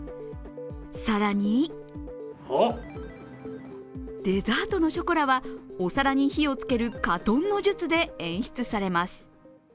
更にデザートのショコラはお皿に火をつける火とんの術で演出されます。